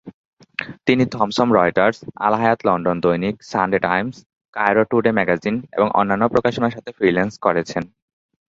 তিনি Thomson Reuters, Al-Hayat London দৈনিক, Sunday Times, Cairo Today magazine এবং অন্যান্য প্রকাশনার সাথে ফ্রিল্যান্স করেছেন।